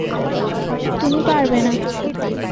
তুমি পারবে না।